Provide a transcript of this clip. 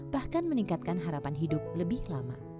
bahkan meningkatkan harapan hidup lebih lama